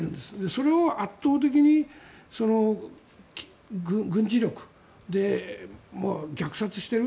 それを圧倒的に軍事力で虐殺している。